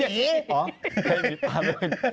อ๋อยายหมีตามเลย